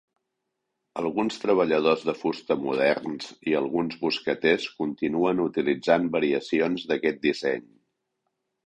Alguns treballadors de fusta moderns i alguns boscaters continuen utilitzant variacions d'aquest disseny.